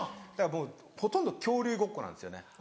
だからもうほとんど恐竜ごっこなんですよね。